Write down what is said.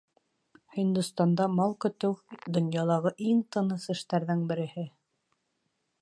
Һиндостанда мал көтөү — донъялағы иң тыныс эштәрҙең береһе.